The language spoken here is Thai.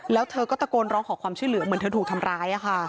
แล้วเธอก็ตะโกนร้องขอความช่วยเหลือเหมือนเธอถูกทำร้าย